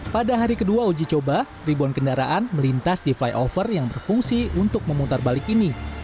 pada hari kedua uji coba ribuan kendaraan melintas di flyover yang berfungsi untuk memutar balik ini